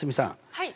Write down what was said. はい。